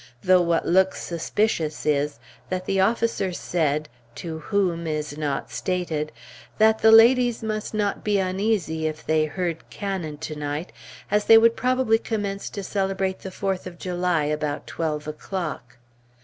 Though what looks suspicious is, that the officers said to whom is not stated that the ladies must not be uneasy if they heard cannon tonight, as they would probably commence to celebrate the Fourth of July about twelve o'clock.